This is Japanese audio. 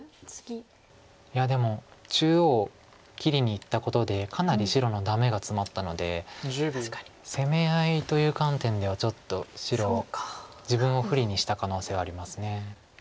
いやでも中央切りにいったことでかなり白のダメがツマったので攻め合いという観点ではちょっと白自分を不利にした可能性あります。